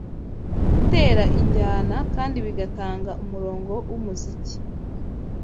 gutera injyana kandi bigatanga umurongo wumuziki